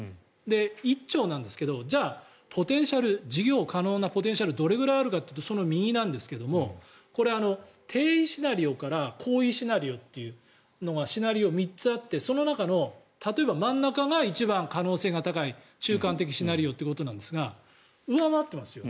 １兆なんですがじゃあ事業可能なポテンシャルどれぐらいあるかというと低位シナリオから高位シナリオというシナリオが３つあってその中の例えば真ん中が一番可能性が高い中間的シナリオということですが上回ってますよね。